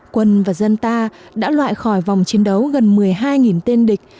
quân và dân ta đã loại khỏi vòng chiến đấu gần một mươi hai tên địch